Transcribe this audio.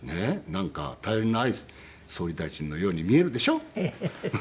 なんか頼りない総理大臣のように見えるでしょ。